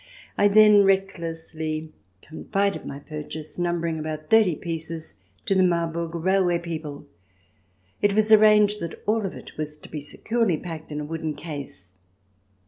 I then recklessly confided my pur chase, numbering about thirty pieces, to the Marburg railway people. It was arranged that all of it was to be securely packed in a wooden case.